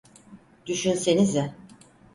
Düşünsenize.